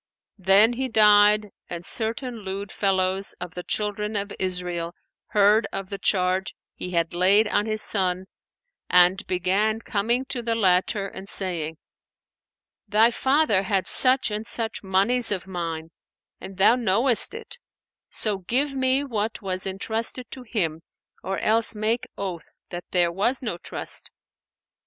Then he died and certain lewd fellows of the Children of Israel heard of the charge he had laid on his son and began coming to the latter and saying, "Thy father had such and such monies of mine, and thou knowest it; so give me what was entrusted to him or else make oath that there was no trust."